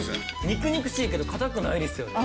肉々しいけど硬くないですよね。